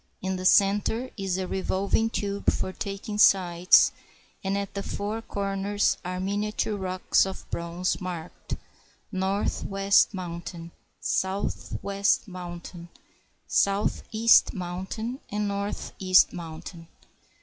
In the center is a revolving tube for taking sights, and at the four corners are miniature rocks of bronze marked "Northwest Mountain," "Southwest Mountain," "Southeast Moun tain," "Northeast Mountain."